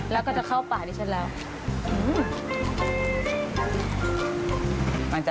แล้วก็จะเข้าป่าดิฉันแล้ว